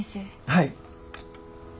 はい。